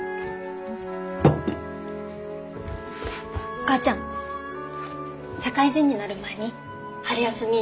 お母ちゃん社会人になる前に春休み